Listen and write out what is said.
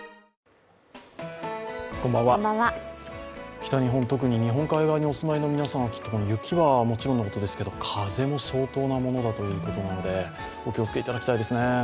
北日本、特に日本海側にお住まいの皆さん、きっと雪はもちろんのことですけど、風も相当なものだということですのでお気を付けいただきたいですね。